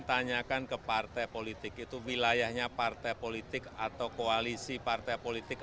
ditanyakan ke partai politik itu wilayahnya partai politik atau koalisi partai politik